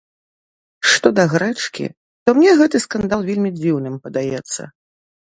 Што да грэчкі, то мне гэты скандал вельмі дзіўным падаецца.